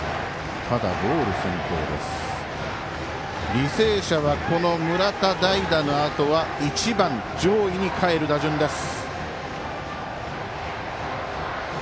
履正社は村田代打のあとは１番、上位にかえる打順です。